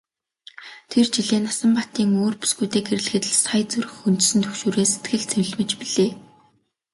Тэр жилээ Насанбатыг өөр бүсгүйтэй гэрлэхэд л сая зүрх хөндсөн түгшүүрээс сэтгэл цэлмэж билээ.